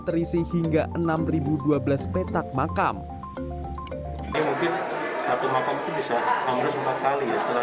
terisi hingga enam ribu dua belas petak makam ini mungkin satu makam itu bisa harus empat kali ya setelah